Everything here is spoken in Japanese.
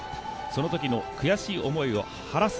そのときの悔しい思いを晴らす